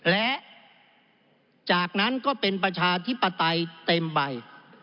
และจากนั้นก็เป็นประชาธิปไตยเต็มใบ